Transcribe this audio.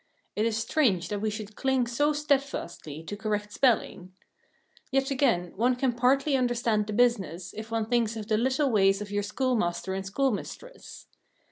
It is strange that we should cling so steadfastly to correct spelling. Yet again, one can partly understand the business, if one thinks of the little ways of your schoolmaster and schoolmistress.